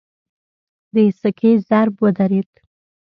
د سکې ضرب ودرېد.